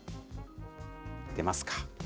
出ますか。